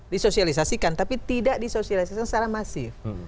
disosialisasikan tapi tidak disosialisasikan secara masif